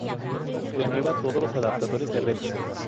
Renueva todos los adaptadores de red.